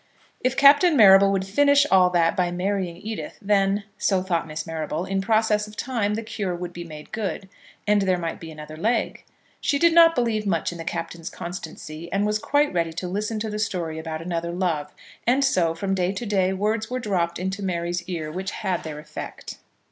If Captain Marrable would finish all that by marrying Edith, then, so thought Miss Marrable, in process of time the cure would be made good, and there might be another leg. She did not believe much in the Captain's constancy, and was quite ready to listen to the story about another love. And so from day to day words were dropped into Mary's ear which had their effect.